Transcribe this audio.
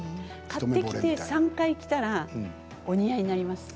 買ってきて３回着たらお似合いになります。